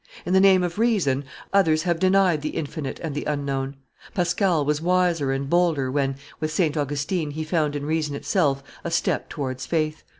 In the name of reason, others have denied the infinite and the unknown. Pascal was wiser and bolder when, with St. Augustine, he found in reason itself a step towards faith.